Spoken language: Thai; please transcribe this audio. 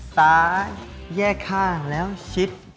ซ้ายแยกข้างแล้วชิด